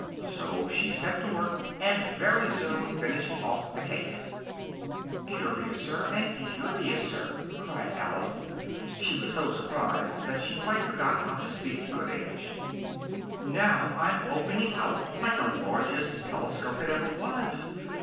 So she set to work, and very soon finished off the cake. "Curiouser and curiouser!" cried Alice, (she was so surprised that she quite forgot how to speak good English,) "now I'm opening out like the largest telescope that ever was!